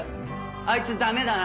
「あいつダメだな」